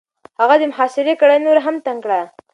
هغه د محاصرې کړۍ نوره هم تنګ کړه.